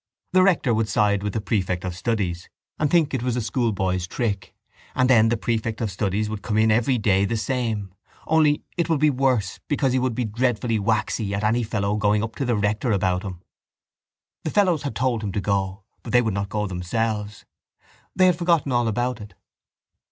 The rector would side with the prefect of studies and think it was a schoolboy trick and then the prefect of studies would come in every day the same, only it would be worse because he would be dreadfully waxy at any fellow going up to the rector about him. The fellows had told him to go but they would not go themselves. They had forgotten all about it.